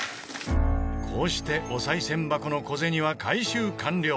こうしてお賽銭箱の小銭は回収完了。